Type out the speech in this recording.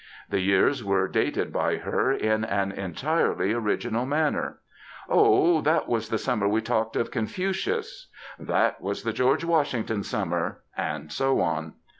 The years were dated by her in an entirely original manner. *^0h, that was the summer we talked of Confucius,'*' ^^that was the Greorge Washington summer,^ and so on.